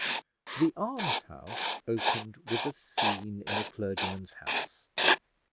"The Almshouse" opened with a scene in a clergyman's house.